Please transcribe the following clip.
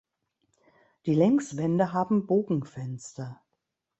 Die Längswände haben Bogenfenster.